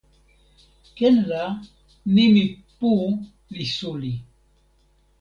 ken la, nimi pu li suli.